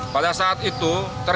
pada saat itu tergantung